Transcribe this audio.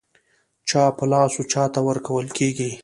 چا په لاس و چاته ورکول کېږي.